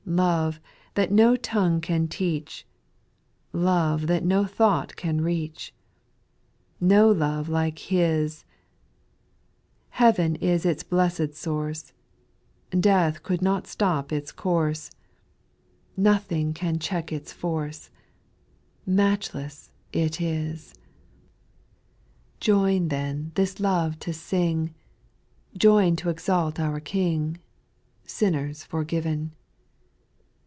8. Love, that no tongue can teach, Love, that no thought can reach, No love like His I Heaven is its blessed source, Death could not stop its course, SPIRITUAL SONGS, 241 Nothing can check its force, Matchless it is. 4. Join then this love to sing, Join to exalt our King, Sinners forgiven.